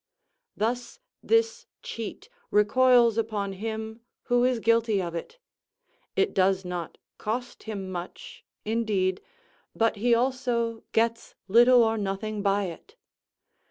Thus this cheat recoils upon him who is guilty of it; it does not cost him much, indeed, but he also gets little or nothing by it.